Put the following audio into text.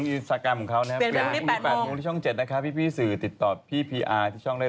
เดี๋ยวเขาออกมาจงตั้งตรงสติได้